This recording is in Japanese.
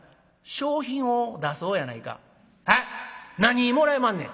「へっ？何もらえまんねん？」。